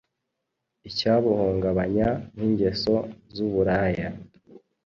icyabuhungabanya nk’ingeso z’uburaya,